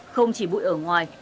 không chỉ bụi ở ngoài